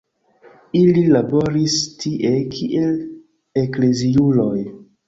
Ili laboris tie kiel ekleziuloj.